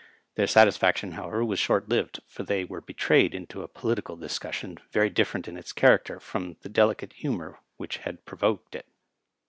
Their satisfaction, how ever, was short lived, for they were hetrayed into a political discus sion very different in its character from the delicate humor which had provoked it.